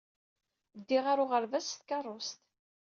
Ddiɣ ɣer uɣerbaz s tkeṛṛust.